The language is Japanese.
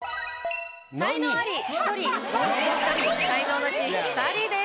才能アリ１人凡人１人才能ナシ２人です。